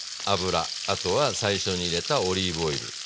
あとは最初に入れたオリーブオイル。